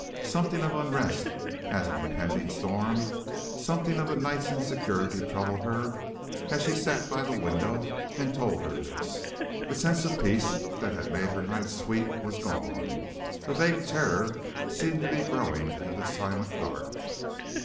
Something of unrest, as an impending storm, something of the night's insecurity, troubled her as she sat by the window and told her this. The sense of peace that had made her nights sweet was gone; a vague terror seemed growing in the silent dark.